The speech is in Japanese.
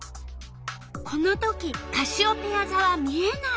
この時カシオペヤざは見えない。